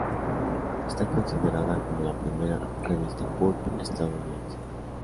Está considerada como la primera revista "pulp" estadounidense.